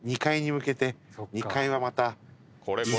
２階はまた。